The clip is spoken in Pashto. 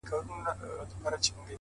نو دا په ما باندي چا كوډي كړي _